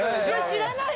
知らない。